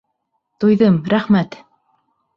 Туйҙым, рәхмәт!